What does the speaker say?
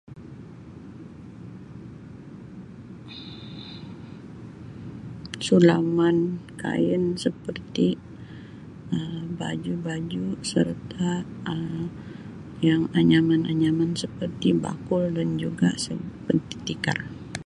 Sulaman kain seperti Um baju-baju serta Um yang anyaman-anyaman seperti bakul dan juga seperti tikar.